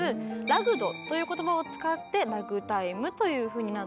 「Ｒａｇｇｅｄ」という言葉を使って「ラグタイム」というふうになったという説が。